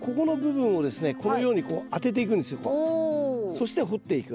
そして掘っていく。